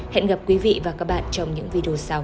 hẹn gặp quý vị và các bạn trong những video sau